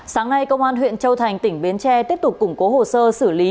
sáng nay công an huyện châu thành tỉnh bến tre tiếp tục củng cố hồ sơ xử lý